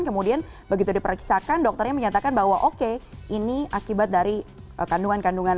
kemudian begitu diperiksakan dokternya menyatakan bahwa oke ini akibat dari kandungan kandungan